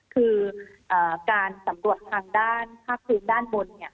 คือการสำรวจทางด้านภาคพื้นด้านบน